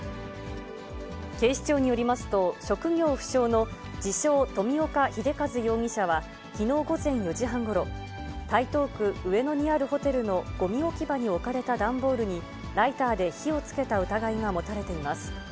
警視庁によりますと、職業不詳の自称、富岡秀和容疑者は、きのう午前４時半ごろ、台東区上野にあるホテルのごみ置き場に置かれた段ボールに、ライターで火をつけた疑いが持たれています。